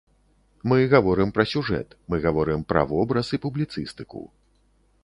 Мы гаворым пра сюжэт, мы гаворым пра вобраз і публіцыстыку.